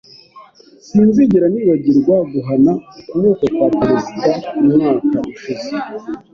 Sinzigera nibagirwa guhana ukuboko kwa Perezida umwaka ushize.